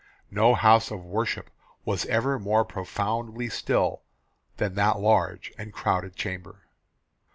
No house of worship was ever more profoundly still than that large and crowded chamber.